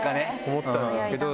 思ったんですけど。